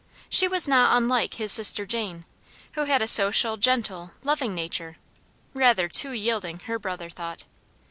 She was not unlike his sister Jane, who had a social, gentle, loving nature, rather TOO yielding, her brother thought.